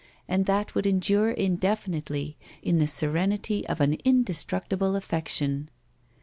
And that would endure indefin itely, in the serenity of an indestructible affection.